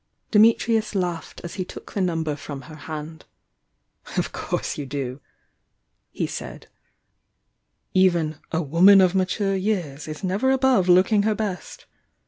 Dimitrius laughed as he took the number from her hand. "Of course you do!" he said. "Even 'a woman of mature years' is never above looking her best!